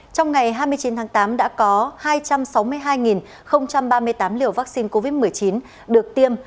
trong ngày hai mươi chín tháng tám đã có hai trăm sáu mươi hai ba mươi tám liều vaccine covid một mươi chín được tiêm